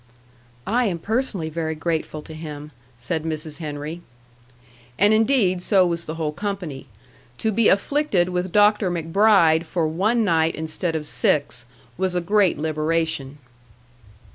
"I am personally very grateful to him," said Mrs. Henry. And indeed so was the whole company. To be afflicted with Dr. MacBride for one night instead of six was a great liberation.